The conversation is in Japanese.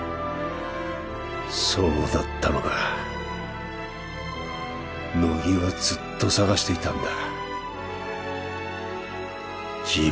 そうだったのか乃木はずっと捜していたんだ